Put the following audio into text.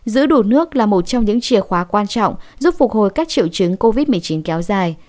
giữ đủ nước là một trong những chìa khóa quan trọng giúp phục hồi các triệu chứng covid một mươi chín kéo dài